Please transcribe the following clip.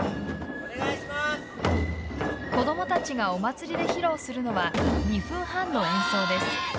子どもたちがお祭りで披露するのは２分半の演奏です。